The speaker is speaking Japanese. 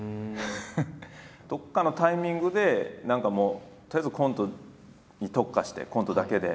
どっかのタイミングで何かもうとりあえずコントに特化してコントだけで。